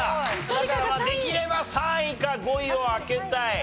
だからまあできれば３位か５位を開けたい。